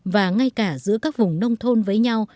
và ngay cả giữa các vùng nông thôn với nhau